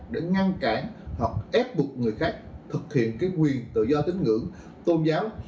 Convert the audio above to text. để ngăn cản hoặc ép buộc người khác thực hiện cái quyền tự do tín ngưỡng tôn giáo